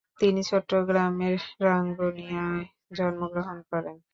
তিনি চট্টগ্রামের রাঙ্গুনিয়ায় জন্মগ্রহণ করেন।